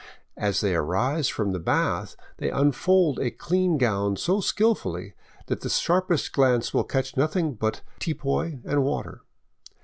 As they arise from the bath, they unfold a clean gown so skillfully that the sharpest glance will catch nothing but tipoy and water.